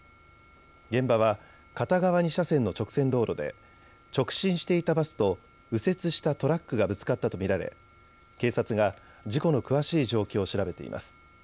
現場は片側２車線の直線道路で直進していたバスと右折したトラックがぶつかったと見られ警察が事故の詳しい状況を調べています。